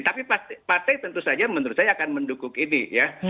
tapi partai tentu saja menurut saya akan mendukung ini ya